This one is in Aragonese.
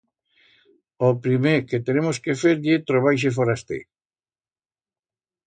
O primer que tenemos que fer ye trobar a ixe foraster.